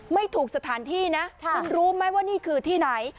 ไม่ถูกสถานที่นะคุณรู้ไหมว่านี่คือที่ไหน